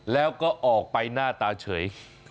แล้วก็ออกไปหน้าตาเฉย